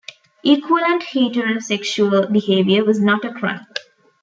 Equivalent heterosexual behaviour was not a crime.